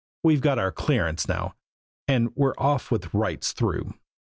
We've got our "clearance" now, and we're off with "rights" through.